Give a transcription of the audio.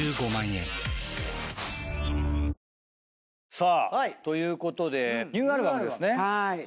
さあということでニューアルバムですね。